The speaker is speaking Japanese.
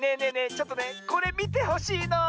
ちょっとねこれみてほしいの。